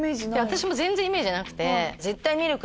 私も全然イメージなくて。